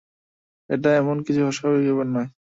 এটা এমন কিছু অস্বাভাবিক ব্যাপার নয়।